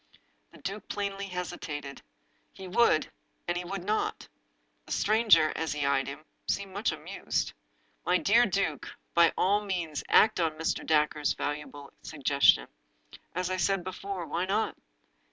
The duke plainly hesitated. He would — and he would not. The stranger, as he eyed him, seemed much amused. " My dear duke, by all means act on Mr. Dacre's valuable suggestion. As I said before, why not?